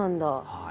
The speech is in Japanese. はい。